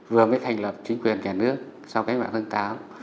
vừa mới thành lập chính quyền nhà nước sau cái mạng phân táo